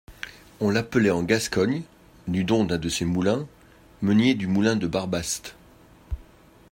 On l'appelait en Gascogne (du nom d'un de ses moulins) meunier du moulin de Barbaste.